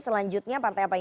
selanjutnya partai apa ini